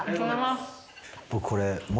僕これ。